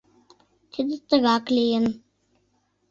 Тиде тыгак лийын.